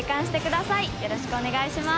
よろしくお願いします。